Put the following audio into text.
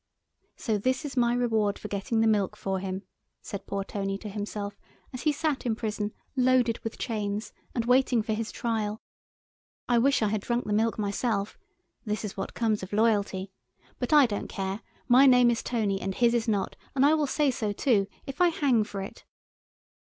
"So this is my reward for getting the milk for him," said poor Tony to himself, as he sat in prison, loaded with chains, and waiting for his trial. "I wish I had drunk the milk myself. This is what comes of loyalty. But I don't care, my name is Tony, and his is not, and I will say so too, if I hang for it."